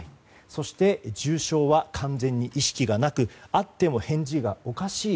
そして重症は完全に意識がなくあっても返事がおかしい。